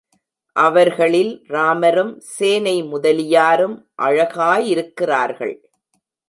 அவர்களில் ராமரும் சேனை முதலியாரும் அழகாயிருக்கிறார்கள்.